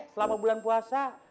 selama bulan puasa